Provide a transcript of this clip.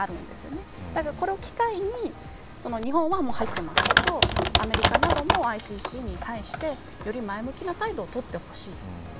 ですから、これを機会に日本はもう入っていますがアメリカなどもＩＣＣに対してより前向きな態度を取ってほしい。